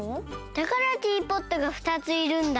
だからティーポットが２ついるんだ。